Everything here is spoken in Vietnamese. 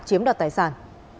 chiếm đoạt tài sản